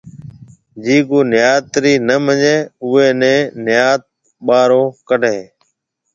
جيَ ڪو نيات رِي نِي مڃيَ اوئيَ نيَ نيات ٻارو ڪري ھيََََ